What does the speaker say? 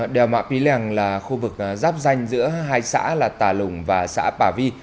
đèo má pí lành là khu vực giáp danh giữa hai xã là tà lùng và xã bà vi